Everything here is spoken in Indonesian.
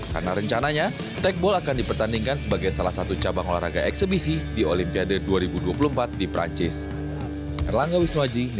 karena rencananya tekbol akan dipertandingkan sebagai salah satu cabang olahraga eksebisi di olimpiade dua ribu dua puluh empat di perancis